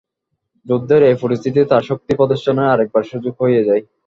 যুদ্ধের এই পরিস্থিতিতে তার শক্তি প্রদর্শনের আরেকবার সুযোগ হয়ে যায়।